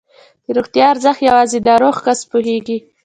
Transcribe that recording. د روغتیا ارزښت یوازې ناروغ کس پوهېږي.